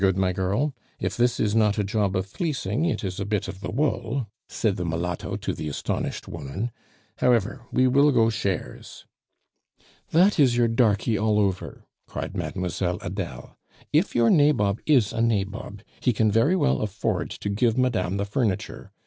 "Very good, my girl. If this is not a job of fleecing, it is a bit of the wool," said the mulatto to the astonished woman. "However, we will go shares " "That is your darkey all over!" cried Mademoiselle Adele. "If your nabob is a nabob, he can very well afford to give madame the furniture.